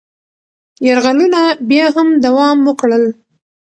یرغلونه بیا هم دوام وکړل.